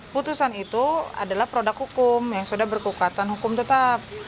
putusan itu adalah produk hukum yang sudah berkekuatan hukum tetap